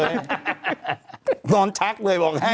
นอนชักเลยบอกให้